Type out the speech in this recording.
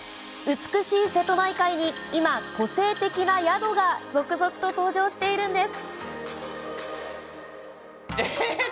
美しい瀬戸内海に今、個性的な宿が続々と登場しているんです。